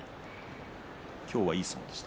今日は、いい相撲でした。